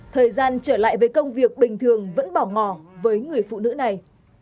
thời gian trở lại với công việc bình thường vẫn bỏ ngỏ với người phụ nữ này